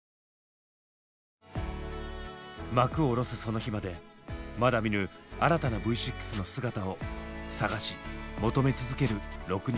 幕を下ろすその日までまだ見ぬ新たなＶ６の姿を探し求め続ける６人。